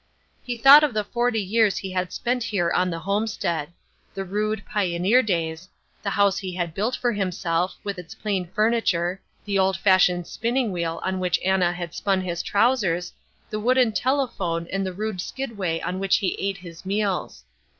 He thought of the forty years he had spent here on the homestead—the rude, pioneer days—the house he had built for himself, with its plain furniture, the old fashioned spinning wheel on which Anna had spun his trousers, the wooden telephone and the rude skidway on which he ate his meals.